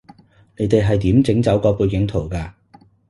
你哋係點整走個背景圖㗎